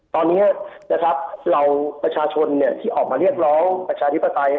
ตอนนี้นะครับเราประชาชนที่ออกมาเรียกร้องประชาธิปไตย